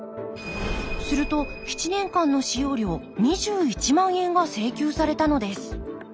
すると７年間の使用料２１万円が請求されたのです